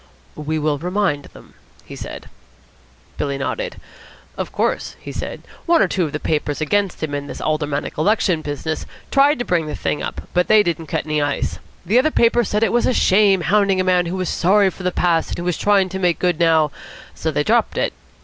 "We will remind them," he said. Billy nodded. "Of course," he said, "one or two of the papers against him in this Aldermanic Election business tried to bring the thing up, but they didn't cut any ice. The other papers said it was a shame, hounding a man who was sorry for the past and who was trying to make good now; so they dropped it.